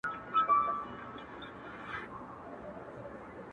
دا نن چي زه داسې درگورمه مخ نه اړوم’